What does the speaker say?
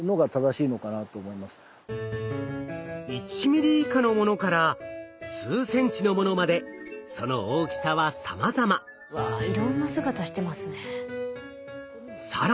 １ミリ以下のものから数センチのものまでそのわいろんな姿してますね。